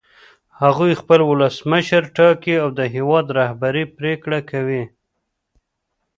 هغوی خپل ولسمشر ټاکي او د هېواد رهبري پرېکړه کوي.